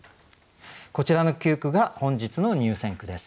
こちらの９句が本日の入選句です。